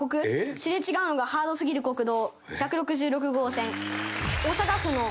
すれ違うのがハードすぎる国道